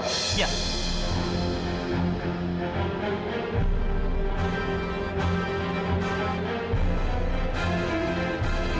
kan pada saat itu